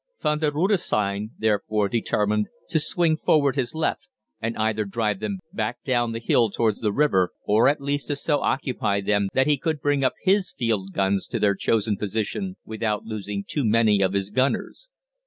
Von der Rudesheim therefore determined to swing forward his left, and either drive them back down the hill towards the river, or at least to so occupy them that he could bring up his field guns to their chosen position without losing too many of his gunners.